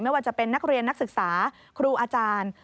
ไม่ว่าจะเป็นนักเรียนนักศึกษาครูอาจารย์